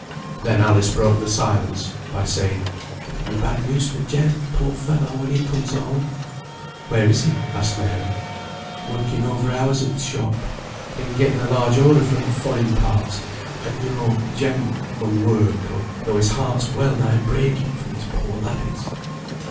Then Alice broke the silence by saying, "It will be bad news for Jem, poor fellow, when he comes home." "Where is he?" asked Mary. "Working over hours at th' shop. They'n getten a large order fra' forrin parts; and yo' know, Jem mun work, though his heart's well nigh breaking for these poor laddies."